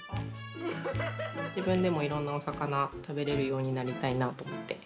自分でもいろんなお魚食べれるようになりたいなと思って。